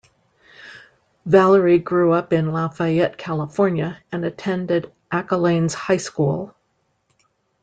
Valory grew up in Lafayette, California and attended Acalanes High School.